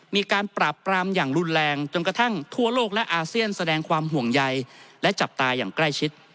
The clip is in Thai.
มีการปราบปรามอย่างรุนแรงจนกระทั่งทั่วโลกและอาเซียนแสดงความห่วงใยและจับตาอย่างใกล้ชิด